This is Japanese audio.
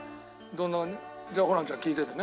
じゃあホランちゃん聞いててね。